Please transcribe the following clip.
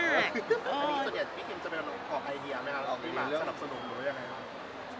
ส่วนใหญ่พี่กินจะเป็นคนออกไอเดียไหมคะออกไอเดียมาสนับสนุนหรือยังไงครับ